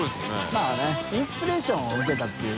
まぁインスピレーションを受けたっていう。